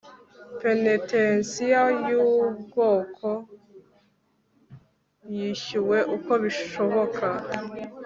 penetensiya yubwoko yishyuwe uko bishoboka